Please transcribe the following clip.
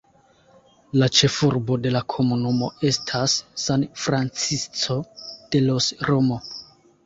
La ĉefurbo de la komunumo estas San Francisco de los Romo.